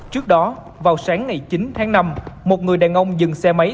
trước đó vào sáng ngày chín tháng năm một người đàn ông dừng xe máy